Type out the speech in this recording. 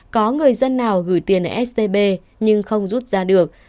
có người dân nào gửi tiền stb nhưng không rút ra được